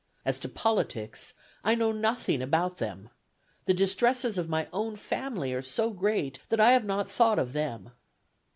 ... As to politics, I know nothing about them. The distresses of my own family are so great that I have not thought of them.